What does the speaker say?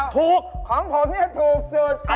ถูกของผมเนี่ยถูกสุด